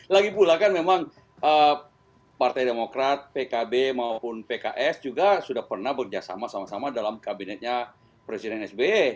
lagi pula kan memang partai demokrat pkb maupun pks juga sudah pernah bekerja sama sama dalam kabinetnya presiden sbe